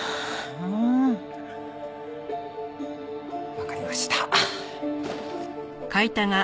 わかりました。